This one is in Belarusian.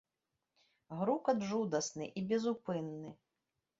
Грукат жудасны і безупынны.